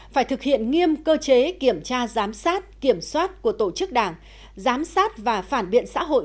phải thực hiện nghiêm cơ chế kiểm tra giám sát kiểm soát của tổ chức đảng giám sát và phản biện xã hội